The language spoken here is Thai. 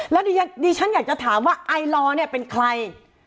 แล้วดิฉันอยากจะถามว่าไอลอร์เนี่ยเป็นใคร